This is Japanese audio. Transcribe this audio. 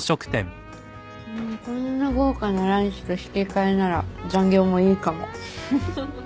こんな豪華なランチと引き換えなら残業もいいかも。